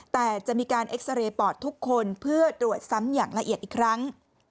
แต่จะมีการเอ็กซาเรย์ปอดทุกคนเพื่อตรวจซ้ำอย่างละเอียดอีกครั้ง